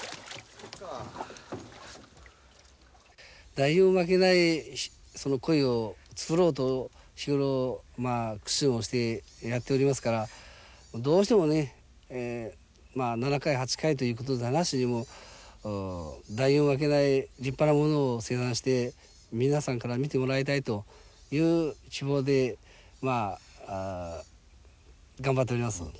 誰にも負けない鯉を作ろうと日頃まあ苦心をしてやっておりますからどうしてもね７回８回ということじゃなしに誰にも負けない立派なものを生産して皆さんから見てもらいたいという希望でまあ頑張っております。